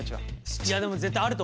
いやでも絶対あると思うよ。